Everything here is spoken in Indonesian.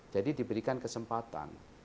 jadi diberikan kesempatan